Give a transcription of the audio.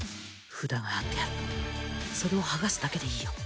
札が貼ってあるそれを剥がすだけでいいよ